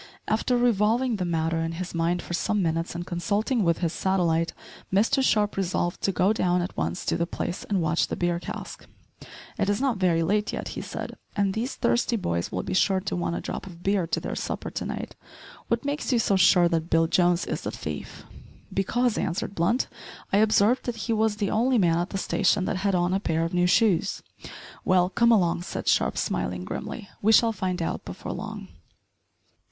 After revolving the matter in his mind for some minutes, and consulting with his satellite, Mr Sharp resolved to go down at once to the place and watch the beer cask. "It is not very late yet," he said, "and these thirsty boys will be sure to want a drop of beer to their supper to night. What makes you so sure that Bill Jones is the thief?" "Because," answered Blunt, "I observed that he was the only man at the station that had on a pair of new shoes!" "Well, come along," said Sharp, smiling grimly, "we shall find out before long."